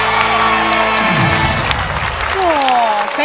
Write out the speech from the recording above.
คุณองค์ร้องได้